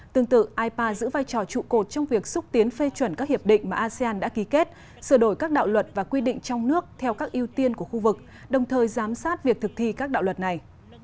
tương tự ipa giữ vai trò trụ cột trong việc xúc tiến phê chuẩn các hiệp định mà asean đã ký kết sửa đổi các đạo luật và quy định trong nước theo các ưu tiên của khu vực đồng thời giám sát việc thực thi các đạo luật này